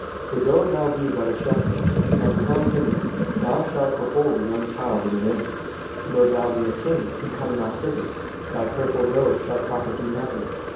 For though thou be but a shepherd, and come hither, thou shalt behold the young Child in an inn. Though thou be a king, and come not hither, thy purple robe shall profit thee nothing.